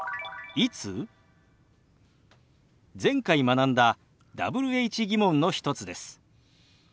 前回学んだＷｈ−疑問の一つです。